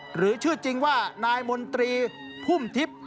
หรือชื่อจริงว่านายมนตรีพุ่มทิพย์